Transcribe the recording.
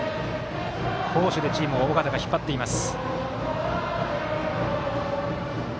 攻守でチームを尾形が引っ張っています。